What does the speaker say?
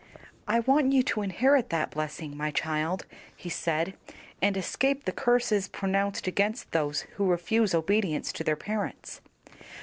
"I want you to inherit that blessing, my child," he said, "and to escape the curses pronounced against those who refuse obedience to their parents."